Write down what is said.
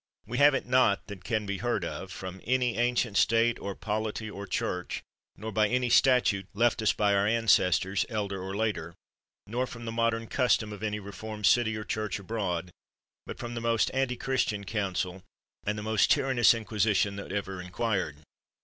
We have it not, that can be heard of, from any ancient state, or polity, or church; nor by any statute left us by our ancestors elder or later; nor from the modern custom of any reformed city or church abroad; but from the most anti christian council and the most tyrannous in 85 THE WORLD'S FAMOUS ORATIONS quisition that ever inquired.